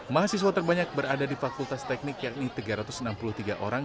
mahasiswa terbanyak berada di fakultas teknik yakni tiga ratus enam puluh tiga orang